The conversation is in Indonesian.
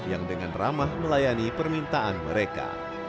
yang dengan ramah melayani permintaan mereka